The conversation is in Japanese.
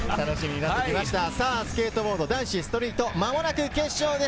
スケートボード男子ストリート、間もなく決勝です。